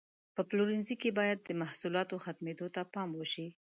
په پلورنځي کې باید د محصولاتو ختمېدو ته پام وشي.